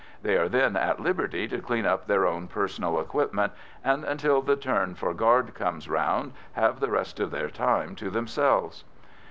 They are then at liberty to clean up their own personal equipment, and, until the turn for guard comes round, have the rest of their time to themselves.